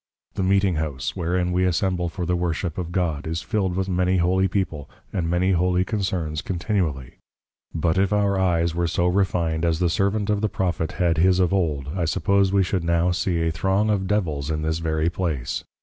The Meeting House wherein we Assemble for the Worship of God, is fill'd with many Holy People, and many Holy Concerns continually; but if our Eyes were so refined as the Servant of the Prophet had his of old, I suppose we should now see a Throng of Devils in this very place.